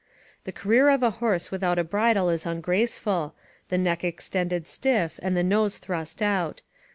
["The career of a horse without a bridle is ungraceful; the neck extended stiff, and the nose thrust out."